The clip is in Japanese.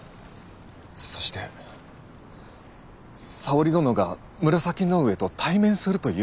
そして沙織殿が紫の上と対面するというのだ。